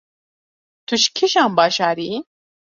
Tu ji kîjan bajarî yî?